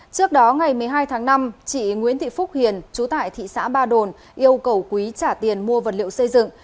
trước đó ngày một mươi hai tháng năm chị nguyễn thị phúc hiền chú tại thị xã ba đồn yêu cầu quý trả tiền mua vật liệu xây dựng